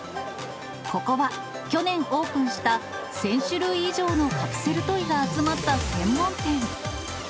ここは、去年オープンした１０００種類以上のカプセルトイが集まった専門店。